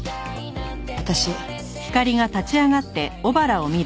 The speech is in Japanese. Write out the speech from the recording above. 私。